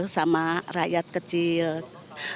sama rakyat kecil